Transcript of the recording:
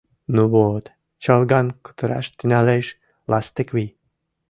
— Ну вот... — чолган кутыраш тӱҥалеш Ластыквий.